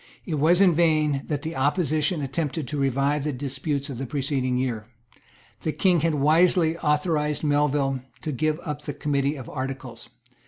It was in vain that the opposition attempted to revive the disputes of the preceding year. The King had wisely authorised Melville to give up the Committee of Articles.